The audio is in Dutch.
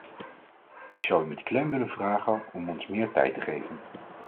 Ik zou u met klem willen vragen om ons meer tijd te geven.